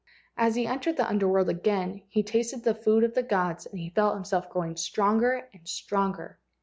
As he entered the Under world he again tasted the food of the gods and he felt himself growing stronger and stronger.